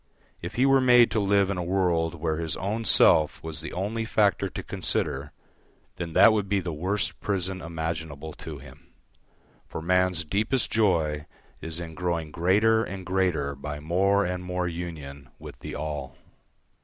If he were made to live in a world where his own self was the only factor to consider, then that would be the worst prison imaginable to him, for man's deepest joy is in growing greater and greater by more and more union with the all.